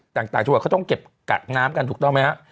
ต่างจังหวัดเขาต้องเก็บกักน้ำกันถูกต้องไหมฮะ